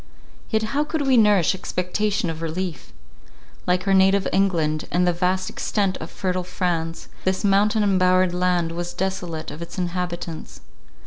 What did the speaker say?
Yet how could we nourish expectation of relief? Like our native England, and the vast extent of fertile France, this mountain embowered land was desolate of its inhabitants.